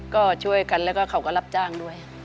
ก็ช่วยกันแล้วก็เขาก็รับจ้างด้วย